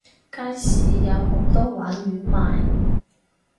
街市有好多鯇魚賣